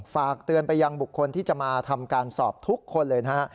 ฝากเตือนไปยังบุคคลที่จะมาทำการสอบทุกคนเลยนะฮะ